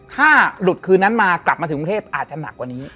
ถ้าหลุดคืนนั้นมากลับมาถึงกรุงเทพอาจจะหนักกว่านี้